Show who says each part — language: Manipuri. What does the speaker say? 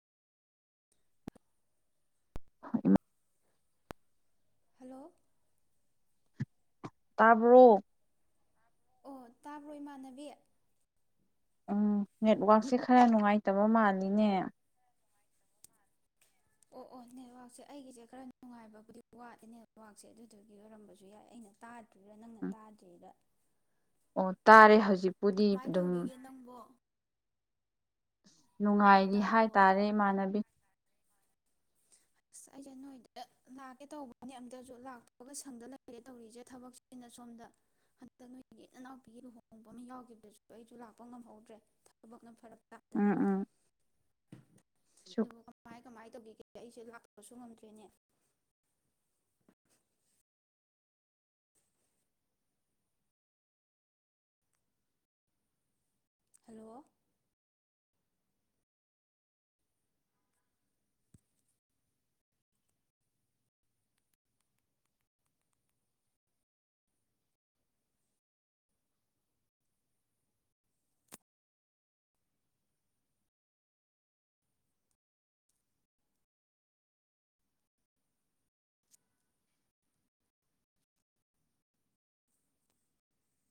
Speaker 1: ꯑ ꯍꯜꯂꯣ
Speaker 2: ꯇꯥꯕ꯭ꯔꯨ
Speaker 1: ꯑꯣ ꯇꯥꯕ꯭ꯔꯣ ꯏꯃꯥꯟꯅꯕꯤ
Speaker 2: ꯎꯝ ꯅꯦꯠꯋꯥꯛꯁꯦ ꯈꯔ ꯅꯨꯡꯉꯥꯏꯇꯕ ꯃꯥꯜꯂꯤꯅꯦ
Speaker 1: ꯑꯣ ꯑꯣ ꯅꯦꯠꯋꯥꯛꯁꯦ ꯑꯩꯒꯤꯁꯦ ꯈꯔ ꯅꯨꯡꯉꯥꯏꯕꯕꯨꯗꯤ ꯋꯥꯠꯂꯤꯦ ꯅꯦꯠꯋꯥꯛꯁꯦ ꯑꯗꯨꯗꯨꯒꯤ ꯑꯣꯏꯔꯝꯕꯁꯨ ꯌꯥꯏ ꯑꯩꯅ ꯇꯥꯗ꯭ꯣꯏꯔꯥ ꯅꯪꯅ
Speaker 2: ꯎꯝ
Speaker 1: ꯇꯥꯗ꯭ꯔꯤꯔꯥ
Speaker 2: ꯑꯣ ꯇꯥꯔꯦ ꯍꯧꯖꯤꯛ
Speaker 1: ꯀꯃꯥꯏꯅ ꯇꯧꯔꯤꯒꯦ ꯅꯪꯕꯣ ꯇꯥꯔꯕꯣ
Speaker 2: ꯅꯨꯡꯉꯥꯏꯔꯤ
Speaker 1: ꯇꯥꯔꯕꯣ
Speaker 2: ꯍꯥꯏꯇꯥꯔꯦ ꯏꯃꯥꯟꯅꯕꯤ
Speaker 1: ꯑꯩꯁꯦ ꯅꯣꯏꯗ ꯂꯥꯛꯀꯦ ꯇꯧꯕꯅꯦ ꯑꯝꯇꯁꯨ ꯂꯥꯛꯇꯒ ꯁꯪꯗ ꯂꯩꯔꯦ ꯇꯧꯔꯤꯁꯦ ꯊꯕꯛ ꯑꯩꯅ ꯁꯣꯝꯗ ꯍꯟꯗꯛ ꯅꯣꯏꯒꯤ ꯏꯟ ꯏꯅꯥꯎꯄꯤꯒꯤ ꯂꯨꯍꯣꯡꯕ ꯑꯃ ꯌꯥꯎꯈꯤꯕꯗꯁꯨ ꯑꯩꯁꯨ ꯂꯥꯛꯄ ꯉꯝꯍꯧꯗ꯭ꯔꯦ ꯊꯕꯛꯅ ꯐꯔ [unintelligible] ꯅ
Speaker 2: ꯎꯝ ꯎꯝ ꯁꯨ
Speaker 1: ꯑꯗꯨꯕꯨ ꯀꯃꯥꯏ ꯀꯃꯥꯏꯅ ꯇꯧꯕꯤꯒꯦ ꯑꯩꯁꯦ ꯂꯥꯛꯇꯕꯁꯨ ꯉꯝꯗ꯭ꯔꯦꯅꯦ ꯍꯜꯂꯣ